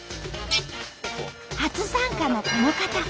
初参加のこの方。